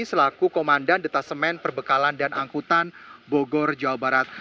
selaku komandan detasemen perbekalan dan angkutan bogor jawa barat